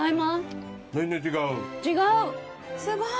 全然違う？